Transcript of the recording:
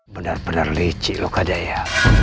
benar benar licik loh kak daya